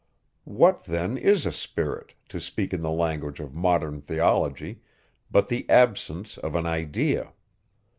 What then is a spirit, to speak in the language of modern theology, but the absence of an idea?